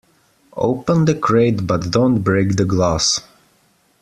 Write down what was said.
Open the crate but don't break the glass.